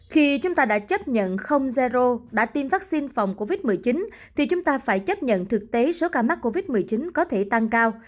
khi chúng ta đã chấp nhận đã tiêm vắc xin phòng covid một mươi chín thì chúng ta phải chấp nhận thực tế số ca mắc covid một mươi chín có thể tăng cao